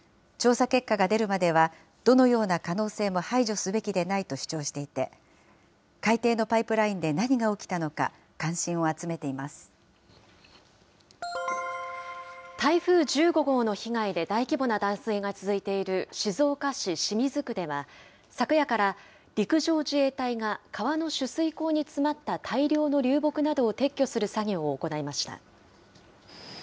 調査結果が出るまでは、どのような可能性も排除すべきでないと主張していて、海底のパイプラインで何が起きたのか、関心を集めて台風１５号の被害で大規模な断水が続いている静岡市清水区では、昨夜から陸上自衛隊が川の取水口に詰まった大量の流木などを撤去する作業を行いました。